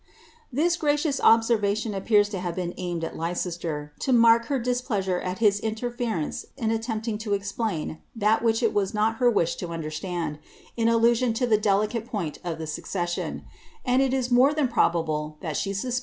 This gracious observation appears to have been aimed at Leicester, mark her displeasure at his interference in attempting lo explain ill which it was not her wish to understand, in allusion to the delics point of the succession ; and it is more than probable that she suspccli ' Sir George WnrnMidoi^s MSS.